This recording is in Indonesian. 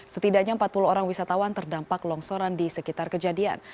setidaknya empat puluh orang wisatawan terdampak longsoran di sekitar kejadian